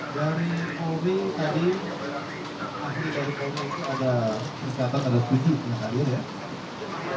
dari polri tadi ahli dari polri itu ada berkataan ada berkataan